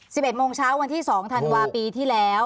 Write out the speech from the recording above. สิบเอ็ดโมงเช้าวันที่สองธันวาคมปีที่แล้ว